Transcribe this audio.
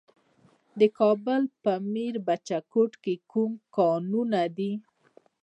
د کابل په میربچه کوټ کې کوم کانونه دي؟